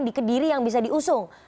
dikediri yang bisa diusung